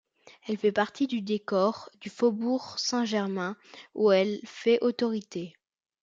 Elle fait partie du décor du faubourg Saint-Germain où elle fait autorité.